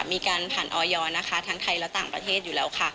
มีการผ่านออยนะคะทั้งไทยและต่างประเทศอยู่แล้วค่ะ